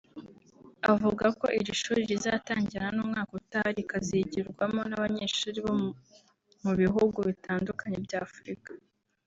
Avuga ko iri shuri rizatangirana n’umwaka utaha rikazigirwamo n’abanyeshuri bo mu bihugu bitandukanye bya Afurika